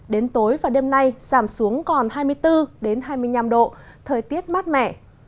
đến tối và đêm nay giảm xuống còn hai mươi bốn hai mươi năm độ thời tiết mát mẻ